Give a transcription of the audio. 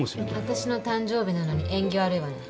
私の誕生日なのに縁起悪いわね。